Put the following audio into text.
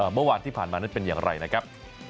เมื่อวานที่ผ่านมานั้นเป็นอย่างไรนะครับ